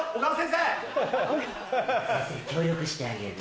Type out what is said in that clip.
先生協力してあげる。